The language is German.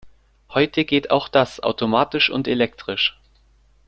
Heute geht auch das automatisch und elektrisch.